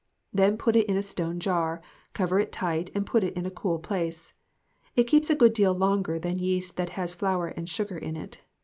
Then put it in a stone jar, cover it tight and put it in a cool place. It keeps a good deal longer than yeast that has flour and sugar in it.